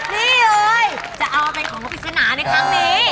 นี่เลยจะเอามาเป็นของปริศนาในครั้งนี้